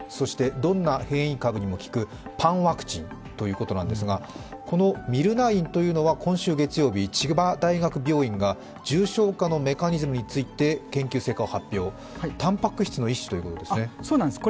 どんな変異株にも効くパンワクチンということですがこのミルナインというのは今週月曜日、千葉大学病院が重症化のメカニズムについて研究成果を発表、たんぱく質の一種ということなんですね。